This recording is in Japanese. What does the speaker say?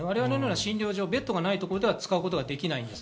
診療所、ベッドがないところでは使えません。